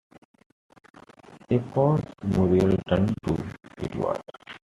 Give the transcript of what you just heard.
A pause — Muriel turned to Edward.